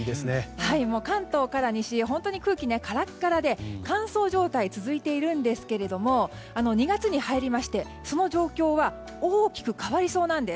関東から西本当に空気カラカラで乾燥状態が続いているんですけれども２月に入りまして、その状況は大きく変わりそうです。